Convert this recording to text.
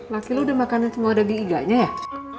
laki lo udah buat lagi iganya ya